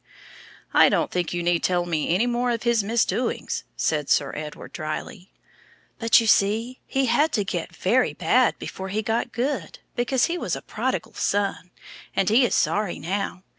"I don't think you need tell me any more of his misdoings," said Sir Edward, drily. "But, you see, he had to get very bad before he got good, because he was a prodigal son. And he is sorry now.